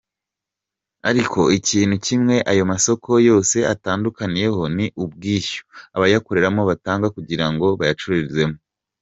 Ariko ikintu kimwe ayo masoko yose atandukaniyeho ni ubwishyu abayakoreramo batanga kugira ngo bayacururizemo!.